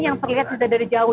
yang terlihat dari jauh